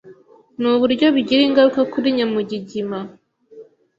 nuburyo bigira ingaruka kurinyamu gigima